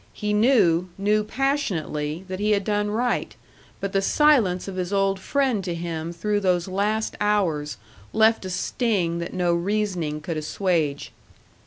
He knew, knew passionately, that he had done right; but the silence of his old friend to him through those last hours left a sting that no reasoning could assuage.